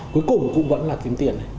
cuối cùng cũng vẫn là kiếm tiền